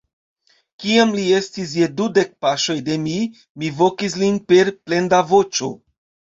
Kiam li estis je dudek paŝoj de mi, mi vokis lin per plenda voĉo.